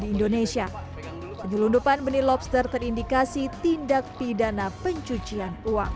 di indonesia penyelundupan benih lobster terindikasi tindak pidana pencucian uang